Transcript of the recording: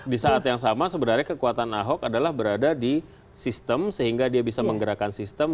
di saat yang sama sebenarnya kekuatan ahok adalah berada di sistem sehingga dia bisa menggerakkan sistem